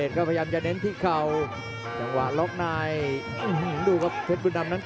ชัมเปียร์ชาเลน์